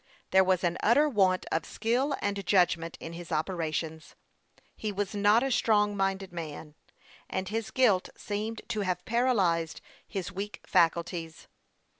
There was an utter want of skill and judgment in his operations. He was not a strong minded man, and his guilt seemed to have paralyzed his weak faculties.